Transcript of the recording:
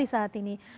di bali saat ini